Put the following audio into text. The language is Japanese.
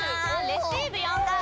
レシーブ４かい！